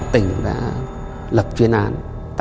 tỉnh đã lập chuyên án